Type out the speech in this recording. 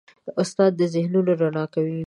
استاد د ذهنونو رڼا کوي.